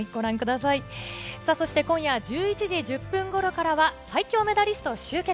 さあ、そして今夜１１時１０分ごろからは、最強メダリスト集結！